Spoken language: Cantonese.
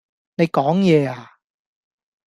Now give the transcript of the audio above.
你講野呀